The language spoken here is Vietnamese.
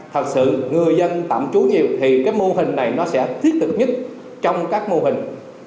thật sự người dân tạm trú nhiều thì cái mô hình này nó sẽ thiết thực nhất trong các mô hình